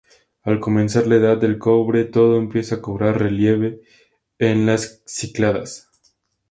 Al comenzar la Edad del Cobre, todo empieza a cobrar relieve en las Cícladas.